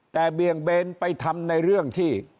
แต่เบี่ยงเบนไปทำในเรื่องที่